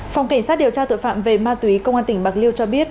phòng cảnh sát điều tra tội phạm về ma túy công an tỉnh bạc liêu cho biết